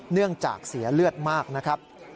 เนื่องจากเสียเลือดมากนะครับ